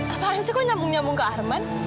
ngapain sih kok nyambung nyambung ke arman